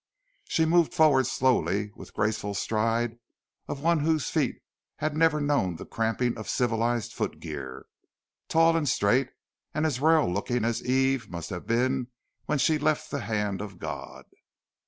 She moved forward slowly with graceful stride of one whose feet had never known the cramping of civilized foot gear, tall and straight and as royal looking as Eve must have been when she left the hand of God.